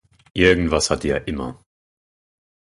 Irgendwas hat die ja immer!